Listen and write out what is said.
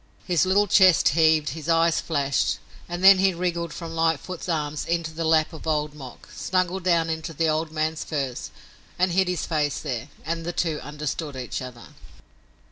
His little chest heaved, his eyes flashed, and then he wriggled from Lightfoot's arms into the lap of Old Mok, snuggled down into the old man's furs and hid his face there; and the two understood each other.